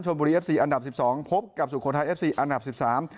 บุรีเอฟซีอันดับสิบสองพบกับสุโขทัยเอฟซีอันดับสิบสาม